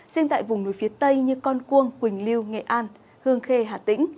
riêng tại vùng núi phía tây như con cuông quỳnh lưu nghệ an hương khê hà tĩnh